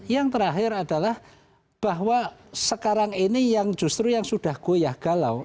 yang terakhir adalah bahwa sekarang ini yang justru yang sudah goyah galau